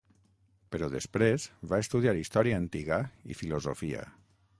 Però després, va estudiar història antiga i filosofia.